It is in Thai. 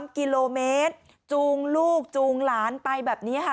๓กิโลเมตรจูงลูกจูงหลานไปแบบนี้ค่ะ